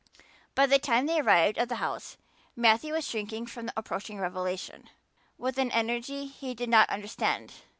By the time they arrived at the house Matthew was shrinking from the approaching revelation with an energy he did not understand.